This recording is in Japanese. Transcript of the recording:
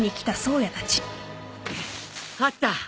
あった！